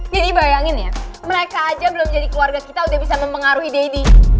jadi bayangin ya mereka aja belum jadi keluarga kita udah bisa mempengaruhi daddy